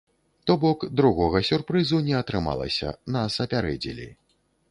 То бок другога сюрпрызу не атрымалася, нас апярэдзілі.